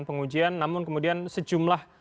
pengujian namun kemudian sejumlah